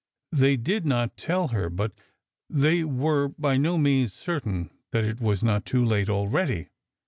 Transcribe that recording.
They did not tell her, but they were by no means certain that it was not too late already.